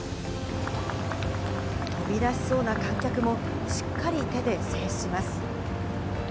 飛び出しそうな観客も、しっかり手で制止します。